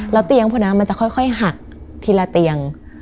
แล้วเตียงพวกนั้นมันจะค่อยหักทีละเตียง